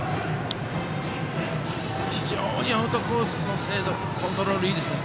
非常にアウトコースのコントロールいいですね。